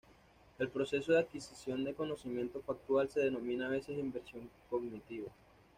El proceso de adquisición de conocimiento factual se denomina a veces "inversión cognitiva".